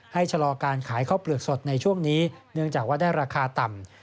ชะลอการขายข้าวเปลือกสดในช่วงนี้เนื่องจากว่าได้ราคาต่ำ